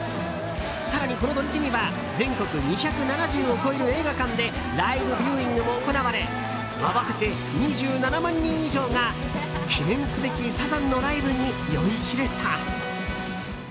更に、この土日には全国２７０を超える映画館でライブビューイングも行われ合わせて２７万人以上が記念すべきサザンのライブに酔いしれた。